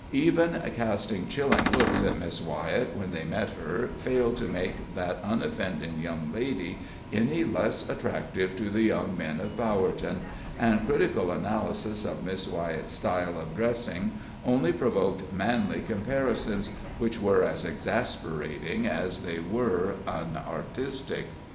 Even casting chilling looks at Miss Wyett when they met her failed to make that unoffending young lady any less attractive to the young men of Bowerton, and critical analysis of Miss Wyett's style of dressing only provoked manly comparisons, which were as exasperating as they were unartistic.